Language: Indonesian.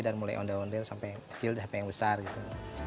dari mulai ondel ondel sampai kecil sampai yang besar gitu